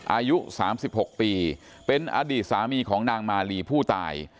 อายุ๓๖ปีเป็นอดีตสามีของนางมาลีผู้ตาย